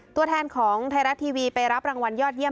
ตัวแทนของไทยรัฐทีวีไปรับรางวัลยอดเยี